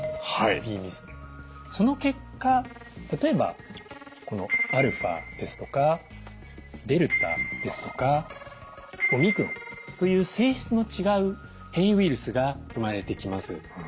その結果例えばこのアルファですとかデルタですとかオミクロンという性質の違う変異ウイルスが生まれてきます。